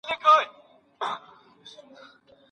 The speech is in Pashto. که ميرمن ښه اشپزه نه وي، نور ښه خويونه به لري.